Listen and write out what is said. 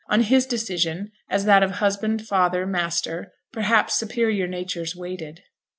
On his decision, as that of husband, father, master, perhaps superior natures waited.